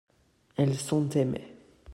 elles sont aimées.